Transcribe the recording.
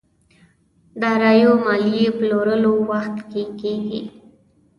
داراییو ماليې پلورلو وخت کې کېږي.